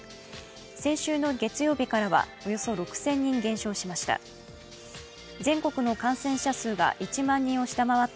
先週の月曜日からはおよそ６０００人減少しました。